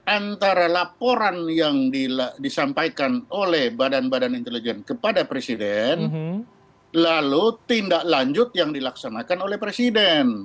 antara laporan yang disampaikan oleh badan badan intelijen kepada presiden lalu tindak lanjut yang dilaksanakan oleh presiden